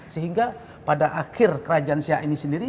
sehingga pada akhir kerajaan siak ini sendiri